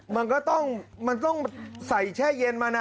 มันก็ต้องใส่แช่เย็นมานะ